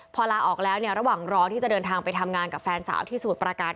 พอลาออกแล้วเนี่ยระหว่างรอที่จะเดินทางไปทำงานกับแฟนสาวที่สมุทรประการ